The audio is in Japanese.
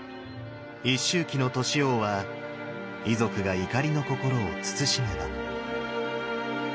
一周忌の都市王は遺族が怒りの心を慎めば。